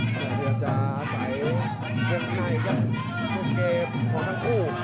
เดี๋ยวจะใส่ดูเง็บของทั้งคู่